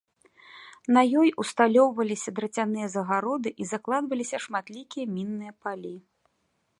На ёй ўсталёўваліся драцяныя загароды і закладваліся шматлікія мінныя палі.